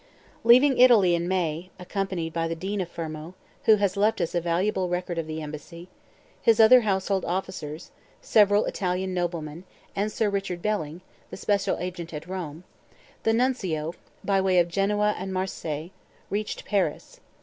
Leaving Italy in May, accompanied by the Dean of Fermo, who has left us a valuable record of the embassy, his other household officers, several Italian noblemen, and Sir Richard Belling, the special agent at Rome, the Nuncio, by way of Genoa and Marseilles, reached Paris.